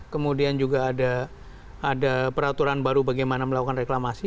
kemudian juga ada peraturan baru bagaimana melakukan reklamasi